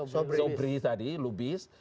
sabri tadi lubis